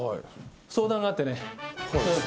相談があってね。